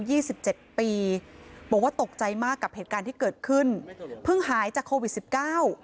สิบเจ็ดปีบอกว่าตกใจมากกับเหตุการณ์ที่เกิดขึ้นเพิ่งหายจากโควิดสิบเก้า